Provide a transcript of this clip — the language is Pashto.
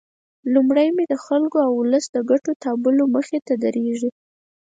لومړی مې د خلکو او ولس د ګټو تابلو مخې ته درېږي.